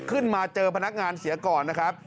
ขึ้นมาเจอพนักงานเสียก่อนนะครับ